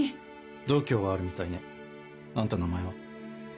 度胸はあるみたいねあんた名前は？